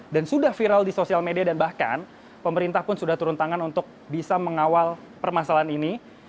dan sudah viral di sosial media dan bahkan pemerintah pun sudah turun tangan untuk bisa mengawal permasalahan ini